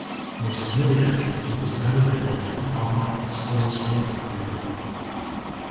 More significantly, he was then admitted to the prominent Explorers' Club in New York.